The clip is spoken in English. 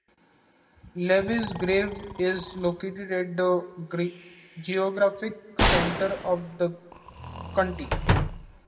Lewis's grave is located at the geographic center of the county.